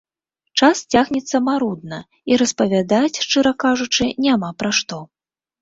Час цягнецца марудна, і распавядаць, шчыра кажучы, няма пра што.